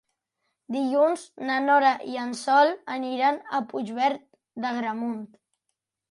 Dilluns na Nora i en Sol aniran a Puigverd d'Agramunt.